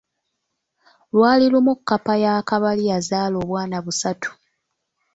Lwali lumu kkapa ya Kabali yazaala obwana busatu.